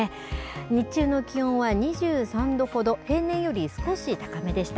日中の気温は２３度ほど、平年より少し高めでした。